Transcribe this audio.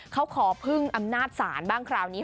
เขาขอพึ่งอำนาจศาลบ้างคราวนี้